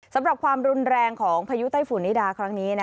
สำหรับความรุนแรงของพายุไต้ฝุ่นนิดาครั้งนี้